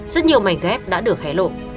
rất nhiều mảnh ghép đã được hé lộ